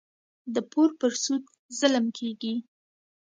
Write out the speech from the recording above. د پور پر سود ظلم کېږي.